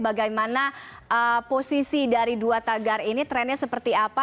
bagaimana posisi dari dua tagar ini trennya seperti apa